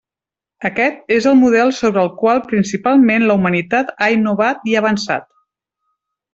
Aquest és el model sobre el qual principalment la humanitat ha innovat i avançat.